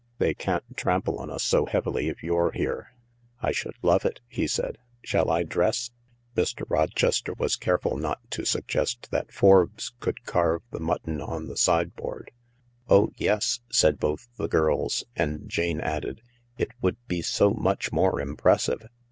" They can't trample on us so heavily if you're here." " I should love it," he said. " Shall I dress ?" Mr. Rochester was careful not to suggest that Forbes could carve the mutton on the sideboard. " Oh yes," said both the girls, and Jane added :" It would be so much more impressive."